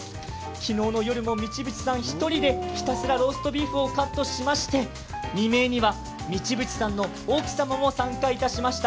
昨日の夜も道淵さん１人でひたすらローストビーフをカットしまして未明には道淵さんの奥さんも参加しました。